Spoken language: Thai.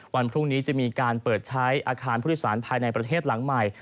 วันพรุ่งนี้จะมีการเปิดใช้อาคารผู้โดยสารภายในประเทศหลังใหม่